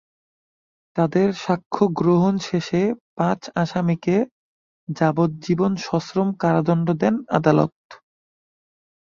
তাঁদের সাক্ষ্য গ্রহণ শেষে পাঁচ আসামিকে যাবজ্জীবন সশ্রম কারাদণ্ড দেন আদালত।